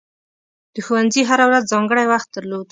د ښوونځي هره ورځ ځانګړی وخت درلود.